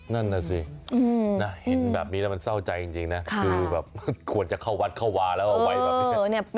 นั่นน่ะสิเห็นแบบนี้แล้วมันเศร้าใจจริงนะคือแบบควรจะเข้าวัดเข้าวาแล้วเอาไว้แบบนี้